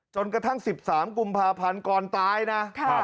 จนกระทั่ง๑๓กุมภาพันธ์ก่อนตายนะ